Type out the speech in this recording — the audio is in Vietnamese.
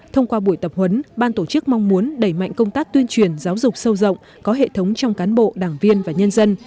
thông qua buổi tập huấn ban tổ chức mong muốn đẩy mạnh công tác tuyên truyền giáo dục sâu rộng có hệ thống trong cán bộ đảng viên và nhân dân